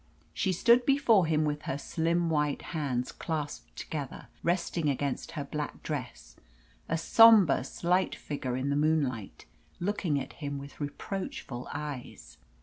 She stood before him with her slim white hands clasped together, resting against her black dress, a sombre, slight young figure in the moonlight, looking at him with reproachful eyes.